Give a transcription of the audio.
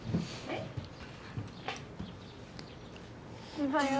おはよう。